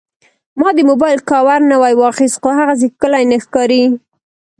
ما د موبایل کاور نوی واخیست، خو هغسې ښکلی نه ښکاري.